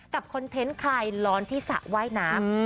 กับคอนเทนต์คลายร้อนที่สระไหว้น้ำ